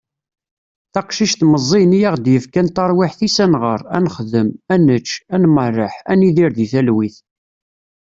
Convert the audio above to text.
taqcict meẓẓiyen i aɣ-d-yefkan taṛwiḥt-is ad nɣeṛ, ad nexdem, ad nečč, ad merreḥ, ad nidir di talwit